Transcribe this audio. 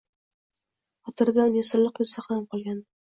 Xotirida uning silliq yuzi saqlanib qolgandi